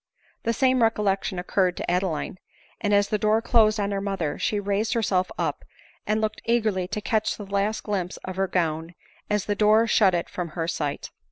The same recollection occurred to Adeline ; and, as the door closed on her mother, she raised herself up, and looked eagerly to catch the last glimpse of her gown, as the door shut it from her sight.